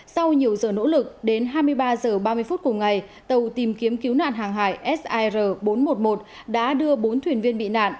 sau nhiều giờ nỗ lực đến hai mươi ba h ba mươi phút cùng ngày tàu tìm kiếm cứu nạn hàng hải sir bốn trăm một mươi một đã đưa bốn thuyền viên bị nạn